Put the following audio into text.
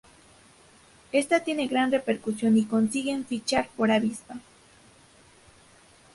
Esta tiene gran repercusión y consiguen fichar por Avispa.